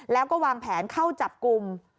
แล้วก็วางแผนเข้าจับกลุ่ม